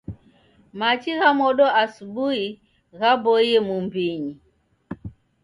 Machi gha modo asubui ghaboie mumbinyi